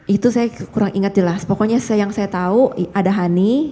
itu saya kurang ingat jelas pokoknya yang saya tahu ada honey